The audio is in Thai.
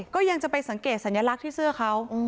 ก็ยังจะไปสังเกตสัญลักษณ์ที่เสื้อเขา